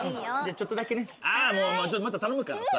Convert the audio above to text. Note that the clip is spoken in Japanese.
ちょっとだけねまた頼むからさ。